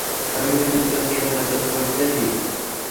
আমি শুধু তোকে হেফাজত করতেছি।